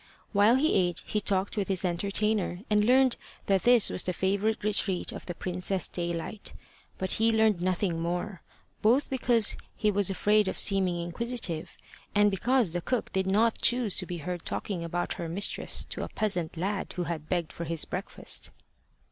While he ate, he talked with his entertainer, and learned that this was the favourite retreat of the Princess Daylight. But he learned nothing more, both because he was afraid of seeming inquisitive, and because the cook did not choose to be heard talking about her mistress to a peasant lad who had begged for his breakfast.